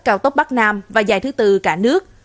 cao tốc bắc nam và dài thứ tư cả nước